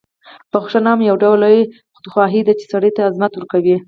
بخښنه هم یو ډول لویه خودخواهي ده، چې سړی ته عظمت ورکوي.